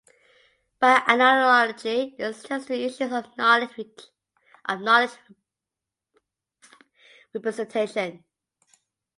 By analogy, this extends to issues of knowledge representation.